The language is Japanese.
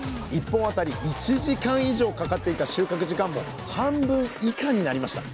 １本当たり１時間以上かかっていた収穫時間も半分以下になりました